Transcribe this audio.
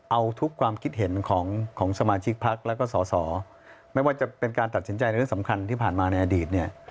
เอาทุกความคิดเห็นของสมาชิกพักแล้วก็สอสอไม่ว่าจะเป็นการตัดสินใจในเรื่องสำคัญที่ผ่านมาในอดีตเนี่ย